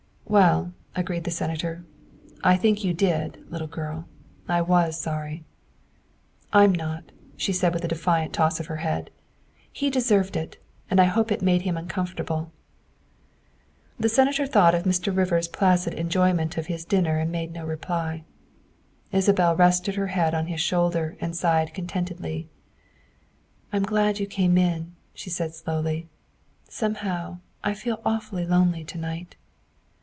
" Well," agreed the Senator, " I think you did, little girl. I was sorry." "I'm not," she said with a defiant toss of her head, " he deserved it, and I hope it made him uncom fortable." The Senator thought of Mr. Rivers 's placid enjoy ment of his dinner and made no reply. Isabel rested her head on his shoulder and sighed contentedly. " I'm glad you came in," she said slowly; " some how I feel awfully lonely to night."